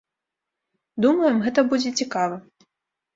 Думаем, гэта будзе цікава.